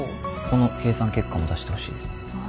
この計算結果も出してほしいですああ